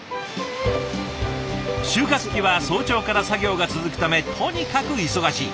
収穫期は早朝から作業が続くためとにかく忙しい。